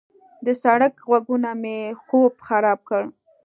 د سړک غږونه مې خوب خراب کړ.